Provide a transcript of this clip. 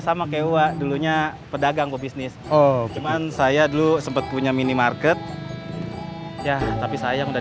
sama kewa dulunya pedagang bisnis oh cuman saya dulu sempet punya minimarket ya tapi sayang udah